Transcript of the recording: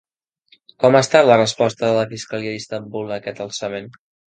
Com ha estat la resposta de la Fiscalia d'Istambul a aquest alçament?